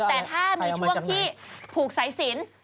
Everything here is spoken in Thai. แต่ถ้ามีช่วงที่ผูกสายสิน